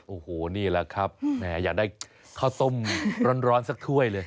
โอ้โหนี่แหละครับแหมอยากได้ข้าวต้มร้อนสักถ้วยเลย